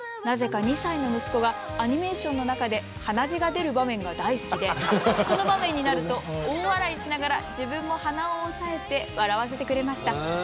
「なぜか２歳の息子がアニメーションの中で鼻血が出る場面が大好きでその場面になると大笑いしながら自分も鼻を押さえて笑わせてくれました！